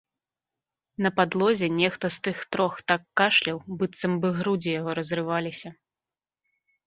На падлозе нехта з тых трох так кашляў, быццам бы грудзі яго разрываліся.